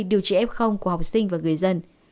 điều trị ép không của học sinh và người dân